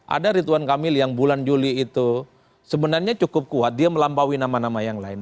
ada ridwan kamil yang bulan juli itu sebenarnya cukup kuat dia melampaui nama nama yang lain